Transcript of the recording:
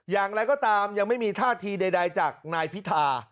อย่างไรก็ตามยังไม่มีท่าทีใดจากนายพิธา